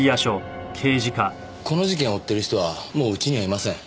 この事件を追ってる人はもううちにはいません。